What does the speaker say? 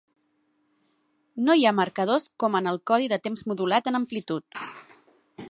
No hi ha marcadors com en el codi de temps modulat en amplitud.